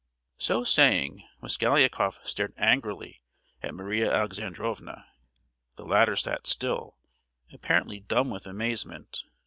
So saying, Mosgliakoff stared angrily at Maria Alexandrovna. The latter sat still, apparently dumb with amazement.